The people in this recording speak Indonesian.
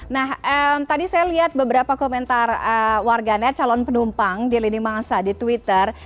nah tadi saya lihat beberapa komentar warganet calon penumpang di lini masa di twitter